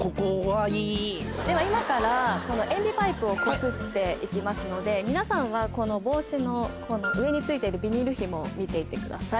では今から塩ビパイプをこすって行きますので皆さんはこの帽子の上に付いているビニールひもを見ていてください。